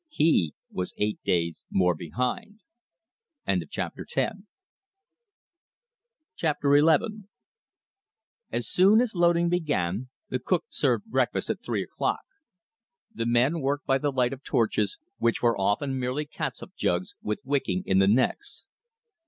He was eight days more behind. Chapter XI As soon as loading began, the cook served breakfast at three o'clock. The men worked by the light of torches, which were often merely catsup jugs with wicking in the necks.